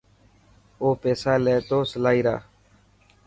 او پيسا لي تو سلائي را.